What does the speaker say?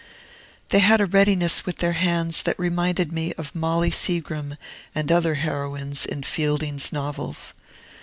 They had a readiness with their hands that reminded me of Molly Seagrim and other heroines in Fielding's novels.